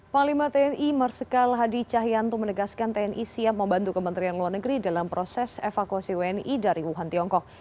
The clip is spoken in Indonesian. panglima tni marsikal hadi cahyanto menegaskan tni siap membantu kementerian luar negeri dalam proses evakuasi wni dari wuhan tiongkok